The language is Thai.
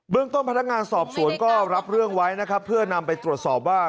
เรื่องต้นพนักงานสอบสวนก็รับเรื่องไว้นะครับเพื่อนำไปตรวจสอบว่า